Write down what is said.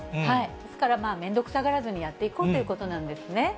ですからめんどくさがらずにやっていこうということなんですね。